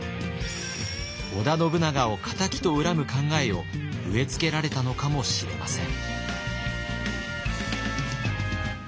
織田信長を仇と恨む考えを植え付けられたのかもしれません。